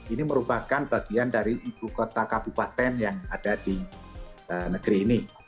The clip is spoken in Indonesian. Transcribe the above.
ini merupakan bagian dari ibu kota kabupaten yang ada di negeri ini